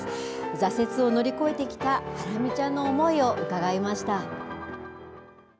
挫折を乗り越えてきたハラミちゃんの思いを伺いました。